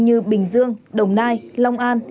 như bình dương đồng nai long an